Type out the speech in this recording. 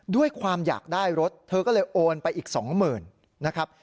ด้วยความอยากได้รถเธอก็เลยโอนไปอีกสองหมื่นนะครับ